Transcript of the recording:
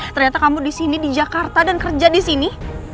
ternyata kamu disini di jakarta dan kerja disini